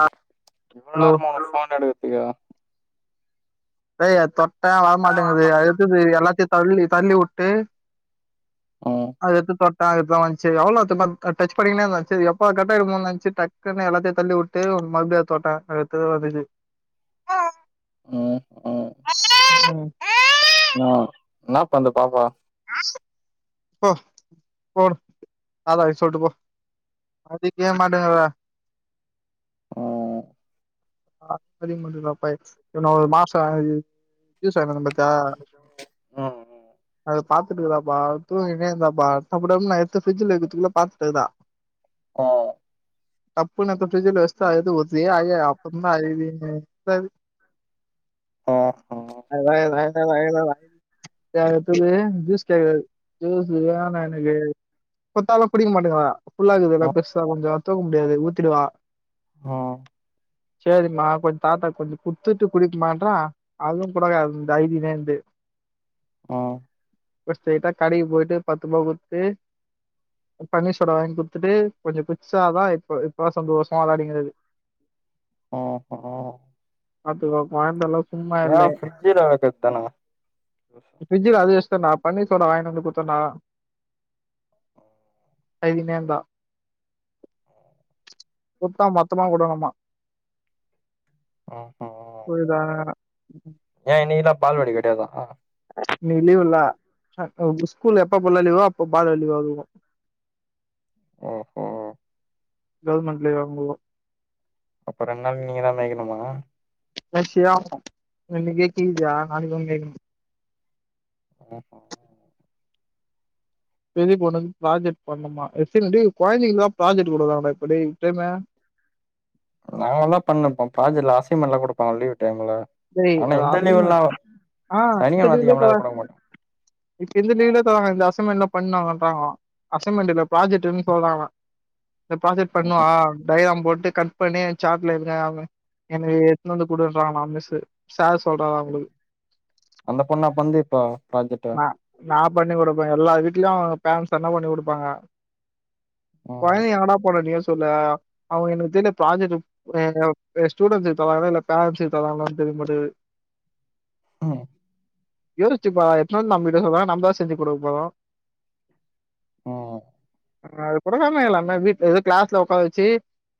ஆ இவ்ள ஹலோ நேரமா ஒரு ஃபோன் எடுக்கத்திக்கு ஏய் அத் தொட்டா வரமாட்டேங்குது அதுது எல்லாத்தையு தள்ளி தள்ளி வுட்டு ம் அது எத்து பா தா இப்தா வந்சி எவ்ள் நேர் தெர்மா அத் டச் பன்னிக்கினே இந்த சேரி எப்ப கட் ஆயிடுமோ நென்ச்சி டக்குனு எல்லாதியு தள்ளி உட் டு மறுப்டியு அத் தொட்டா அத் எதோ வந்துச்சி ம் ம்க்ம் அ இன்னா பந்து பாப்பா போ ஓடு டாடாவி சொல்ட்டு போ மதிக்வே மாட்டங்கரா ம் ம் ஆ மதிக் மாட்டுதுடா பைட்ஸ் இன்னு ஒரு மாசோ அது [unintelligible] பாத்யா ம் அத பாத்துட்டுகிறாபா தூங்கினே இந்தாபா டப்பு டப்புனு நா எட்த்து ஃப்ரிட்ஜில வெக்குர்துக்குல்லோ பாத்துட்டுகிறா ஆ டப்புன்னெத்து ஃப்ரிட்ஜிலா வெஷ்டா எத்து ஊத்தி [unintelligible] சும்மா அழுதுனு ப ம் ம் அது [unintelligible] யா எப்புமே ஜூஸ் கெட்யாது ஜீஸு வேணு எனக்கு குத்தாலு குடிக்க மாட்டங்றா ஃபுல்லா கீது ல்லா ம் ம் பெர்ஸ்சா கொஞ்சோ தூக்க முடியாது ஊத்திடுவா ம் சேரிமா கொஞ் தாத்தாக் கொஞ்ச குத்துட்டு குடிக்கிமான்ற அதுவு குடுக்காது ந்து அயிதினே இந்து ம் ப்றோ ஸ்டெய்டா கடைக்கு போய்ட்டு பத்து ருபாவ குத்து பன்னீர்சோடா வாய்ங் குத்துட்டு கொஞ்ச குட்சாதா இப்ப இப்ப சந்தோஷமா விளாடிங்கிறாரு ம் ம் பாத்துக்கோ கொழ்ந்தல்லா வா ஃபிரிட்ஜில வெக்கதானுங்க ஃப்ரிட்ஜில அது வெஸ்டன்டா பன்னீர் சோடா வாய்னந்து குத்தனா அய்தினேந்தா குத்தா மொத்தமா குடுணுமா ம் ம் புரிதா ம்க்ம் ஏ இனிகினா பால்வாடி கெட்யாதா இன்னிக்கி லீவுல அ ஸ்கூலு எப்பேப்பலா லீவோ அப்போ பால்வாடி லீவா இருக்கு ம் ம் கவுர்மெண்ட் லீவு வரும்போதோ அப்ப ரெண் நாள் நீங்க தா மேய்கணுமா எஸ் யா [unintelligible] நாளிக்கு மேய்க்கனு ம் ம் பெரிய பொண்ணுக்கு ப்ராஜெக்ட் பண்ணுமா ஏ சில் டே கொழந்திங்ளுக்லா ப்ராஜெக்ட்டு குடுக்குறாங்க இப்ப டேய் ப்ரேமே நாங்கள்ளா பண்ணொப்போ ப்ராஜெக்ட்ல அசைன்மெண்ல்லா குடுப்பாங்க லீவு டைமுல டேய் அது அசைன்மெண்ட் ஆ சனி ஞாயிறு அதிகம்லா குடுக்க மாட்டாங்க [unintelligible] இப் இந்த லீவ்ல தராங்க இந்த அசைமென்லா பண் வாங்கன்றாங்ளா அசைன்மெண்டில்ல ப்ராஜெட்ன்னு சொல்றாங்க இந்த ப்ராஜெட் பண்ணுவா டைக்ராம் போட்டு க ட் பண்ணி எ சாட்ல [unintelligible] எனக்கு எத்ன் வந்து குடுன்ரங்கலா அவுங் மிஸ்ஸு சார் சொல்றாரா அப்பிடி அந்த பொண்ணா பண்து இப்ப ப்ராஜெக்ட்டு நா நா பண்ணி குடுப்ப எல்லா வீட்ல்யு பேரன்ஸ் தான பண்ணி குடுப்பாங்க ம் கொழந்திங்க எங்கடா பண்ணு நீயே சொல்லு அ அவுங்க எனக்கு தெர்ல ப்ராஜெக்ட்டு அ அ ஸ்டூடென்ஸ்சு இப்ப வரல பேரண்ட்ஸு இப்ப வர்லா தெரிய மாடிகுது ம் எருச்சிப்பா எட்னு வந் நம்ப கிட்ட சொன்னா நம்ப செஞ்சி குடுக்க போரோ ம் அது கூடதான எல்லாமே வீட்ல இல் கிளாஸ்ல உக்கார வெச்சு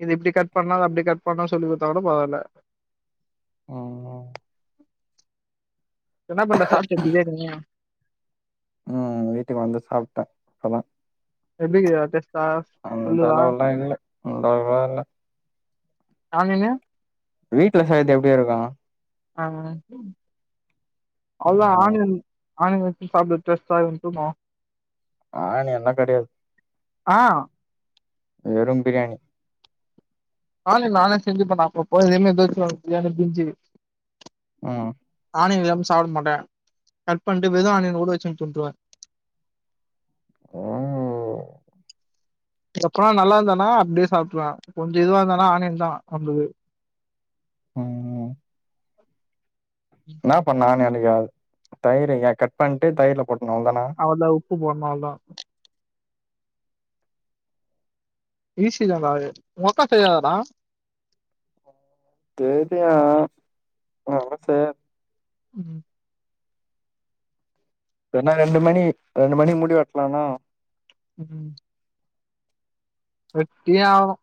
இது இப்டி கட் பண்ணு அது அப்டி கட் பண்ணு சொல்லி குடுத்தா கூட பரவால ம் என்ன பண்ற சாப்ட்டியா பிரியாணி ம் வீட்டுகு வந்து சாப்ட்ட இப்பதா எப்டி இக்து டேஸ்ட் அந்த அளவல்லா இல்ல அவ்ளோவா இல்ல ஆ நீங்க வீட்ல செய்றது எப்டி இருக்கு ஆ அவ்ளோ ம் ஆனியன் ஆனியன் வெச்சு சாப்டத் டேஸ்ட்டா இருக்குனு ஆனியன்லா கடயாத் ஆ வெறும் பிரியாணி ஆனியன் நானே செஞ்சுப்பனா அப்ப அப்ப இதே மாரி எதாசு பிரியாணி ப்பிரிட்ஜி ம் ஆனியன் இல்லாம சாப்ட மாட்ட கட் பண்டு வெறு ஆனியன்கூட வெச்சுன் துன்ருவ ஓ அதுக்கப்றோ நல்லாருந்தனா அப்டியே சாப்ட்ருவே கொஞ்சோ இதுவாருந்தனா ஆனியன்தா நம்புள்கு ம் என்ன பண்ணானு எனக்கு தயிரு எ கட் பண்டு தயிர்ல போட்ருணு அவ்ளோதான அதுல உப்பு போட்னு அவ்ளோதா ஈசிதாடா அது உங்க அக்கா செய்யாதாடா கேக்கல ஆத்னால செய்யாத் ம் எனா ரெண்டு மணி ரெண்டு மணிக் முடி வெட்லானு ம் வெட்டியே ஆவ்ணு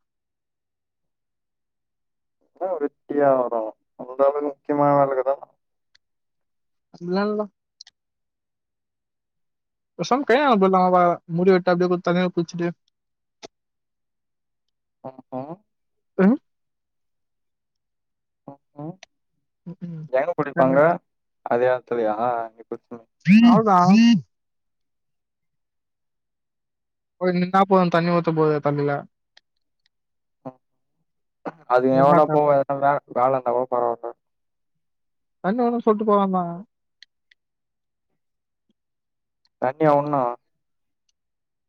என்ன வெட்டியே ஆவராங்க எதாது முக்யமான வேல இக்குதா இல்லல்ல பேசாம கல்யாணோ பண்லாமா பாக்குறேன் முடி வெட்டு அப்டியே தண்ணில குளிச்சிட்டு அ அ அ ம் ம் எங்க குடிப்பாங்க அதோ எட்துலயா இப்போ சொல்லு அவள்தா போய் நின்னா போது தண்ணி ஊத்துபோது தண்ணில அது எவடா என்னாத்த போவா ஏற்கனவே வேல இருந்தாகூட பரவால்ல தண்ணி ஆனா சொல்ட்டு போலாம்பாங்க தண்ணி ஒன்னா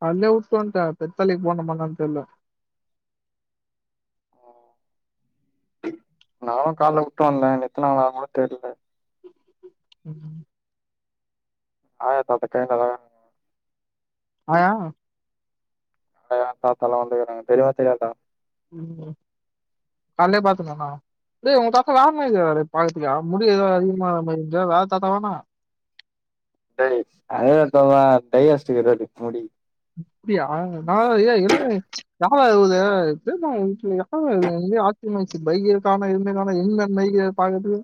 அங்யே உட்டு வந்டே பெர்சலைக்கு போனுமா என்னான் தெர்ல நானு கால்லவுட்டு வந்தே எத்தானான்கூட தெர்ல ம் ஆயா தாத்தாட்ட கேக்குற ஆயா ஆயா தாத்தாலா வந்துகுறாங்க தெர்யுமா தெர்யாதா ம் கால்லே பாத்தனே என்னா டே உங்க தாத்தா வேற மாரி இருக்றாரே பாக்கற்துக்கே முடி எதோ அதிகமா ஆன மாரி இருக்குதே வேற தாத்தாவா என்ன டே அத வெட்டாமா டை அடிச்சுட்டு இருக்காப்டி முடி அப்டியா நா ஏ என்னாடா யாரா இவுங்க தெரிஞ்சோங்க வீட்ல யார்ரா இவுங்க எங்கயோ இப்டி யோசி பைக் எடுக்காம இருந்தனால என்ன பைக்க பாக்கற்து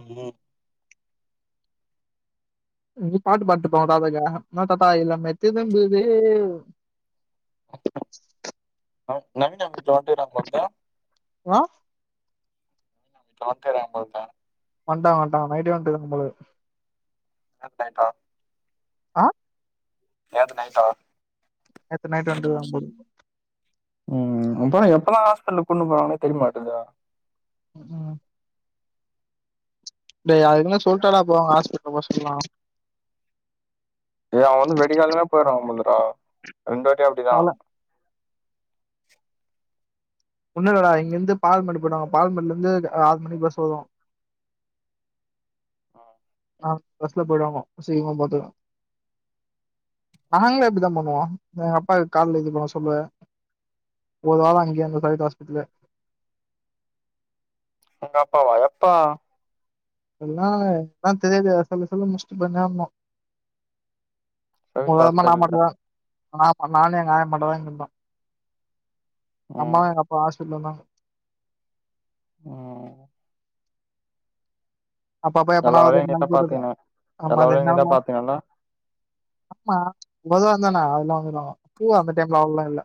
ம் நீ பாட்டு பாட்ருப்போதாதைக்கு என்ன தாத்தா இளமை திரும்புதே நவீ நவீன் [unintelligible] போக்குது வா ! ! ! ! ! ! ! ! ! ! வன்ட்டாங்க வன்ட்டாங்க நைட்டே வந்துருக்கு போல [unintelligible] ஆ நேத்து நைட்டா நேத்து நைட்டு வன்ட்டுக்காங்க போல ம் அப்றோ எப்பலா ஹாஸ்பெட்லுக்கு கூட்ணு போவாங்கனே தெரிமாட்டுதே ம் டே அதுக்குனு சொல்ட்டா டா போவாங்க ஆஸ்பெட்லுக்கு ஒ இஷ்டத்துக்லா ஏ அவே வந்து வெடிகால்னமே போய்றா போல்துடா ரெண்டாட்டியா கால்ல ஒன்னு இல்லடா இங்கெந்து பால்மேடு போய்டுவாங்க பால்மேட்லந்து ஆறு மணிக்கி பஸ் வரு ஆ அ பஸ்ல போய்டுவாங்கோ சீக்ரமா போற்துக்கு நாங்களே அப்டி தா பண்ணுவோ எங்கப்பாக்கு கால்ல இது பண்ண சொல்லுவ ஒரு வாரோ அங்கே இந்தோ சய்யது ஆஸ்பித்திர்ல உங்கப்பாவா எப்ப எல்லா லா தெரிலயே சல்லு சல்லுன் முச்சு [unintelligible] ஒங்க சவிதா அம்மாலா ஹாஸ்பிட்டலுக்கு [unintelligible] ஆமா நானு எங்க ஆயா மட்டு தா இங்கருந்தோ அம்மா ம் எங்கப் பா ஆஸ்பத்திர்ல இருந்தாங்க ம் அப்ப அப்ப எல்லா எப்னாது வேலையு நீதா ரெண்நாளைக்குஒர் தத பாத்தீங்கன அம்மா எல்லா வேலையு நீதா ரெண்நாள்மா பாத்தீங்கல்ல ஆமா மொத வந்தனா அதெல்லா வந்துர்லா பூ அந்த டைம்ல அவ்ளோலா இல்ல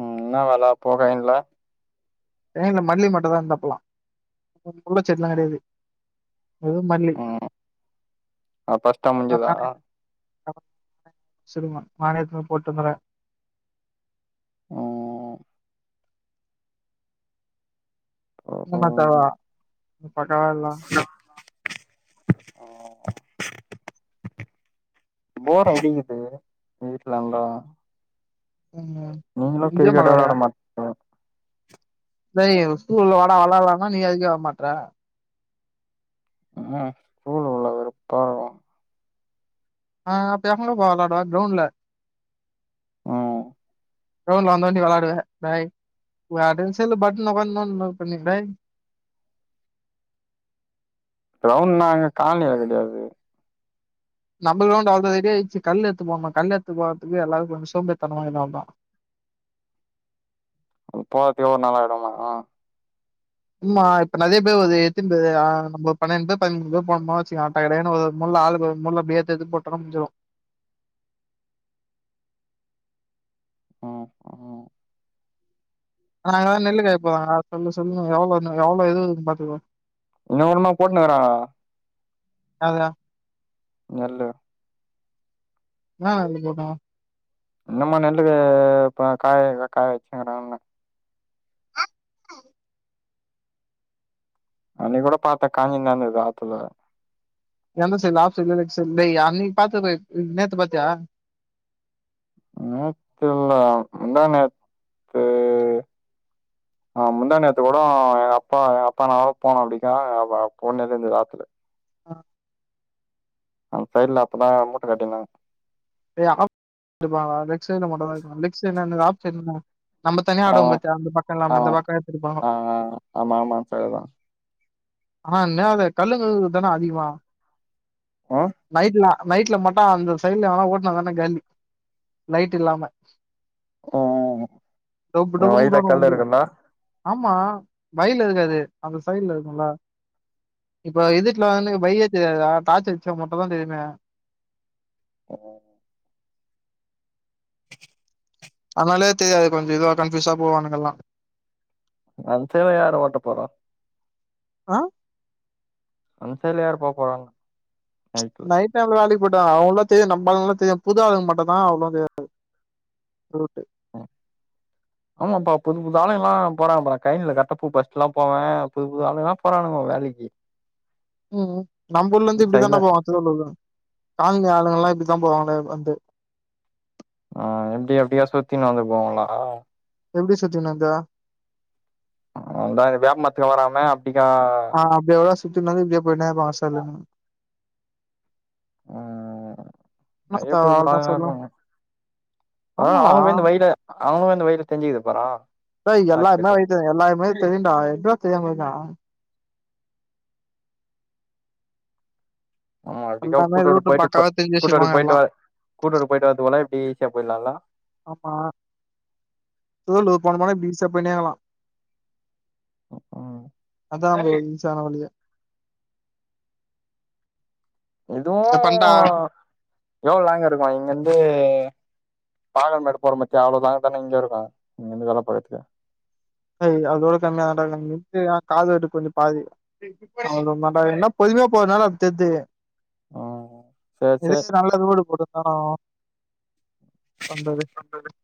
ம் என்னா வெல அப்போ ரைன்ல ரைன்ல மல்லி மட்டு தா இந்தப்பலா முல்ல செடிலா கெடயாது ஓ மல்லி ம் அது ஃபஸ்ட்டா நா முஞ்சுதா பாட்றே சுகுமான் மானே தே போட்டு வந்துற ம் இன்னு மாத்தவா பக்காவா இல்ல ஓ போர் அடிக்கிது வீட்லருந்தா [unintelligible] நீங்ளு இங்கே கிரிக்கெட்டே வெளாட மல்லாடையா மாட் டேய் ஸ்கூல் இல்ல வாடா வெளால்லான நீ அதுக்கு வரமாட்ற [unintelligible] வெறுப்பா இருக்கு ஆ பெசங்ளு ப்ப வெளாட்றா கிரௌண்ட்ல அ கிரௌண்ட்ல வெளாண்டா தா நீ வெளாடுவ டேய் ஒ அட்றசெல்ல பட்ன ஒக்காந்து நோண்ணுருப்ப‌நீ டேய் கிரௌண்ட்டுனா அங்க கால்னி வேல கெடயாது நம்ம கிரௌண்ட் ஆல்ரெடி ரெடியாச்சி கல்லு எத்து போனுமா கல்லு எத்து போறதுக்கு எல்லாருக்கு வந்து சோம்பேறித்தனமா இர்க்காம்டா அங்க போற்துக்கே ஒரு நாள் ஆய்டுமாக்கு ம்மா இப்ப நறைய பேர் வர்து எத்தின் பேரு ஆ நம்போ பன்ணென் பேர் பதிமூண் பேர் போனமா வச்சுக்க டகடகனு ஒரு முள்ள ஆளுக்கு ஒரு முள்ள இப்டியே எத்தெத்து போட்டோனா முஞ்சுரு ம் ம் நாங்கதா நெல்லு காய போதாங்க சொல்லு சொல்லுனு எவ்ளோ எவ்ளோ இது வருதுனு பாத்துக்கோ இன்ன [unintelligible] போட்னுகறாங்க அதா நெல்லு என்னா நெல்லு போட்டாங்க இன்னமா நெல்லு இப்ப காய காய வச்சுகுராங்கன்ன அன்னைகி கூட பாத்தே காஞ்சி நடந்தது ஆத்தல எந்த சைடு ஆப் சைடா லெக் சைல் டேய் அன்னைக் பாத்தது நேத்து பாத்தியா நேத்தில்ல முந்தாநேத்து அ முந்தாநேத்து கூடோ எ அப்பா எ அப்பா நாங்கலா போனோ அப்டிகா அப்ப அப் பொண்ணேதுந்து ஆத்துல அ அந் சைட்ல அப்பதா மூட்ட கட்டிந்தாங்க [unintelligible] லெக் சைல மட்டுந்தா இது பண்ண லெக்ஸ் சைட் என்னது ஆப் சைட்னா நம்ம தனியா ஆடுவோ ஆமா பாத்தியா அந்த பக்க இல்லாம நாம ஆமா இந்த பக்க எட்த்துட்டு போவாங்கோ ஆ ஆ ஆமா ஆமா செரிதா ஆனா என்ன அத கல்லுங்க தானா அதிகமா ம் நைட்லா நைட்ல மட்டு அந்த சைல்ல எவனா ஓட்னு வந்தானா காலி லைட் இல்லாம ம் டொப்பு எ டொப்புனு வயித்துல வுடுவானுவ கல் வண்டிய இருக்குல்ல ஆமா வயில இருக்காது அந்த சைல்ல இருக்குல இப்ப இதுட்ல வந்னுகு பைகே தெரியாதுதா டார்ச் வச்சா மட்டுந்தா தெரியுமே ம் அதனாலே தெரியாது கொஞ்ச இதுவா கன்ஃபயூஸா போவானுங்க அல்லா அந்த சைலா யாரு ஓட்ட போறா ஆ அன் சைல்ல யாரு போப்போறாங்க நைட் டைம் ல வேலைக் போய்ட்டாங்க அவுங்ளா தெயு நம் ஆளுங்லா தெயு புது ஆளுங்க மட்டந்தா அவ்ளோ தெயாது ரூட்டு ம் ஆமாப்பா புது புது ஆளுங்கல்லா போறாங்கப்பறா கைன்ல கர்ட்டாப் பூப் பரிஸ்ட்லாம் போவே புது புது ஆளுங்லாம் போறானுங்கோ வேலகி ம் நம் ஊர்லந்து இப்டிதான்டா போவா அசலூர்லருந்த கால்னி ஆளுங்கல்லா இப்டிதா போவாங்கலே வந்து ஆ எப்டி அப்டிகா சுத்தினு வந்து போவாங்ளா எப்டி சுத்தினந்த இந்தா இந்த வேப்ப மரத்துக வராம அப்டிகா ஆ அப்டியே கூட சுத்தினு வந்து இப்டியே போய்னே இபாங்க சல்லுனு [unintelligible] என்னாத்த அவ்ளோதா சொல்லு ஆமாடா அவுங்குளு இந்த வழில தெஞ்சிகிது பரா செய் எல்லாமே வழி தெ எல்லாமே தெரியிண்டா எத்ரா [unintelligible] எல்லாமே ரூட்டு பக்காவா தெரிஞ்சு வச்சிருப்பாங்க எல்லா [unintelligible] ஆமா தோலு போன போன இப்டி ஈசியா போயினேகலா ம் அதா ப்ரோ ஈசியான வழியே இதுவு ஏ பண்ட்டா எவ்ள லாங்கிருக்கு இங்கிந்து பாகல் மேடு போற மத்தியா அவ்ள லாங்க தானே இங்கியு இருக்கு இங்கிந்து வெல போறதுக்கு அதோட கம்மியாதான்டா [unintelligible] காது வட்டுக் கொஞ்சம் பாதி [unintelligible] என்ன பொதுமையா போறதுனால அது தெர்து ம் சேர் எது நல்ல ரோடு போட்டுந்தானு வந்தது [unintelligible]